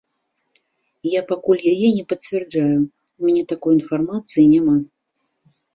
Я пакуль яе не пацвярджаю, у мяне такой інфармацыі няма.